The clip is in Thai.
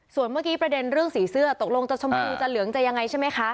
ส่วนเมื่อกี้ประเด็นเรื่องสีเสื้อตกลงจะชมพูจะเหลืองจะยังไงใช่ไหมคะ